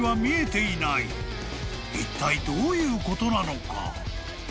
［いったいどういうことなのか？］